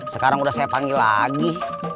sekarang udah saya panggil lagi